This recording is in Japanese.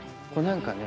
何かね